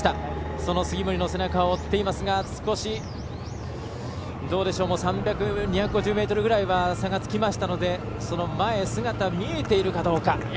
その杉森の姿を追っていますが少し２５０ｍぐらいは差がつきましたので前、姿が見えているかどうか。